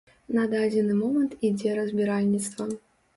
На дадзены момант ідзе разбіральніцтва.